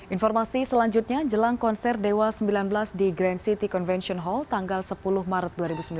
informasi selanjutnya jelang konser dewa sembilan belas di grand city convention hall tanggal sepuluh maret dua ribu sembilan belas